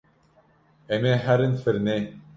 Em ê herin firnê.